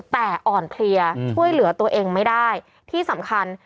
แต่อ่อนเพลียช่วยเหลือตัวเองไม่ได้ที่สำคัญ